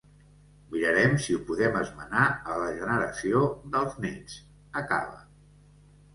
"Mirarem si ho podem esmenar a la generació dels néts!", acaba.